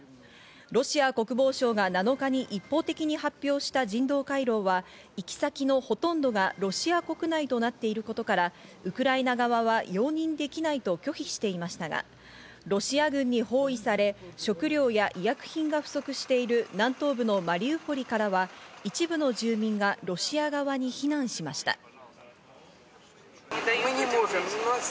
ロシア国防省が７日に一方的に発表した人道回廊は、行き先のほとんどがロシア国内となっていることからウクライナ側は容認できないと拒否していましたが、ロシア軍に包囲され、食料や医薬品が不足している、南東部のマリウポリからは一部の住民がロシア側に避難しました。